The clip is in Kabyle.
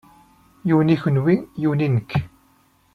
Yiwen i kenwi yiwen i nekk.